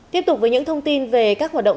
tiếp tục với những thông tin về các hoạt động